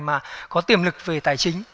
mà có tiềm lực về tài chính